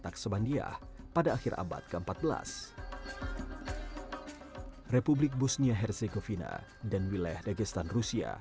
naqsa bandiya pada akhir abad ke empat belas republik busnia herzegovina dan wilayah dagestan rusia